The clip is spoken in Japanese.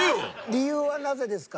理由はなぜですか？